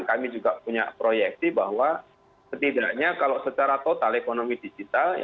kami juga punya proyeksi bahwa setidaknya kalau secara total ekonomi digital